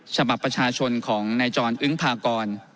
ฉบับประชาชนของนายจรอึ้งพากร